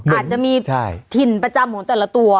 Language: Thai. อาจจะมีถิ่นประจำของแต่ละตัว